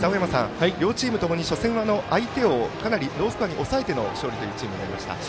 両チームともに初戦は相手をロースコアに抑えての勝利というチームになりました。